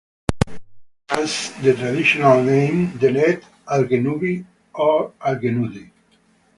It has the traditional name Deneb Algenubi or Algenudi.